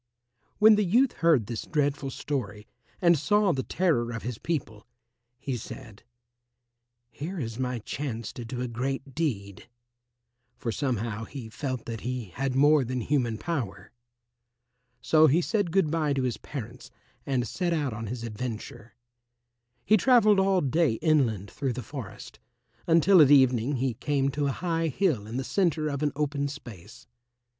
When the youth heard this dreadful story and saw the terror of his people, he said, "Here is my chance to do a great deed," for somehow he felt that he had more than human power. So he said good bye to his parents and set out on his adventure. He travelled all day inland through the forest, until at evening he came to a high hill in the centre of an open space.